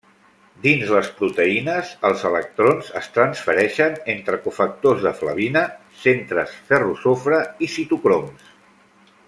Dins les proteïnes, els electrons es transfereixen entre cofactors de flavina, centres ferro-sofre, i citocroms.